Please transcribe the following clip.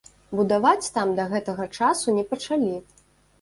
Будаваць там да гэтага часу не пачалі.